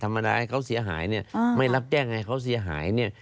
เวลาให้เขาเสียหายเนี่ยไม่รับแจ้งให้เขาเสียหายเนี่ย